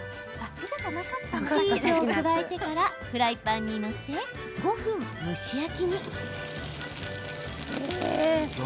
チーズを加えてからフライパンに載せ５分蒸し焼きに。